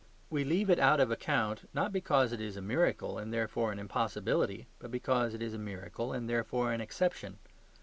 We leave it out of account, not because it is a miracle, and therefore an impossibility, but because it is a miracle, and therefore an exception.